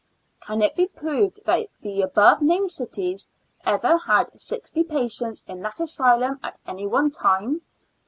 Can it be proved that the above named cities . ever had sixty patients in that asylum at any one time?